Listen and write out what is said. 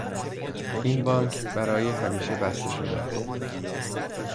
این بانک برای همیشه بسته شده است.